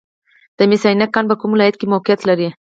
د مس عینک کان په کوم ولایت کې موقعیت لري؟